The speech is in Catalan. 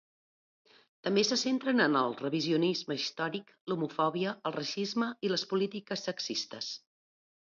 També se centren en el revisionisme històric, l'homofòbia, el racisme i les polítiques sexistes.